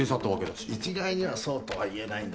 一概にはそうとは言えないんだな。